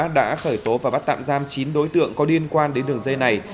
đã khởi tố và bắt tạm giam chín đối tượng có liên quan đến đường dây này